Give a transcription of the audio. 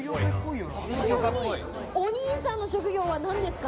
ちなみにお兄さんの職業は何ですか？